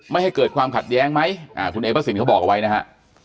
ไม่ให้เกิดความขัดแย้งไหมคุณเอพระสินเขาบอกเอาไว้นะฮะ